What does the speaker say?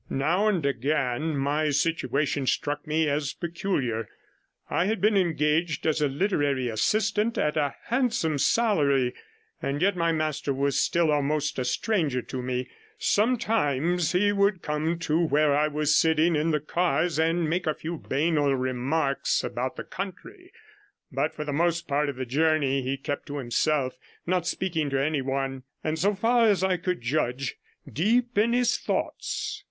Now and again my situation struck me as peculiar; I had been engaged as a literary assistant at a handsome salary, and yet my master was still almost a stranger to me; sometimes he would come to where I was sitting in the cars and make a few banal remarks about the country, but for the most part of the journey he kept to himself, not speaking to anyone, and so far as I could judge, deep in his thoughts.